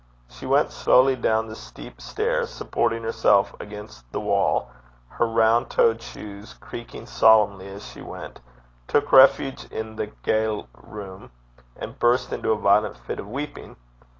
She went slowly down the steep stair, supporting herself against the wall, her round toed shoes creaking solemnly as she went, took refuge in the ga'le room, and burst into a violent fit of weeping.